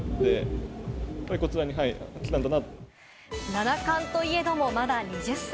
七冠といえども、まだ２０歳。